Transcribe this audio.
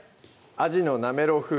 「アジのなめろう風」